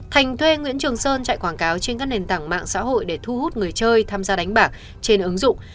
thành thuê nguyễn trường sơn chạy quảng cáo trên các nền tảng mạng xã hội để thu hút người chơi tham gia đánh bạc trên ứng dụng